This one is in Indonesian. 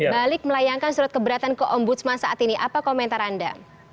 balik melayangkan surat keberatan ke ombudsman saat ini apa komentar anda